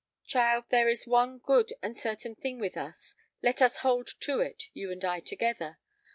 "Child, there is one good and certain thing with us—let us hold to it, you and I together.